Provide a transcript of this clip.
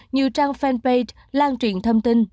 nhiều trang fanpage lan truyền thông tin